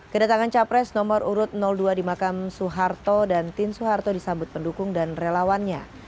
kedatangan capres nomor urut dua di makam suharto dan tin soeharto disambut pendukung dan relawannya